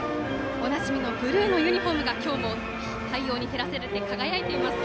おなじみのブルーのユニフォームが今日も太陽に照らされて輝いていますね。